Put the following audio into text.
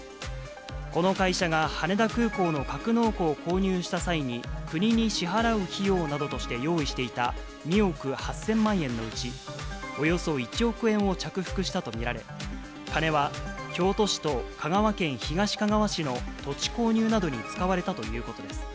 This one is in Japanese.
この会社が羽田空港の格納庫を購入した際に、国に支払う費用などとして用意していた２億８０００万円のうち、およそ１億円を着服したと見られ、金は京都市と香川県東かがわ市の土地購入などに使われたということです。